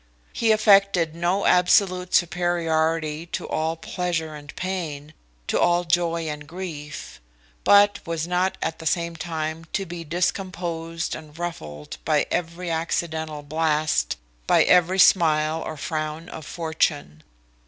He affected no absolute superiority to all pleasure and pain, to all joy and grief; but was not at the same time to be discomposed and ruffled by every accidental blast, by every smile or frown of fortune.